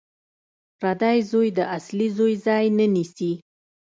پردی زوی د اصلي زوی ځای نه نیسي